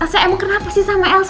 saya emang kenapa sih sama elsa